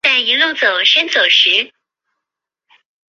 这里的萤幕靛接近于电脑萤幕上的光谱靛。